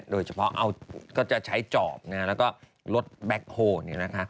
โดยเฉพาะก็จะใช้จอบแล้วก็รถแบ็คโฮล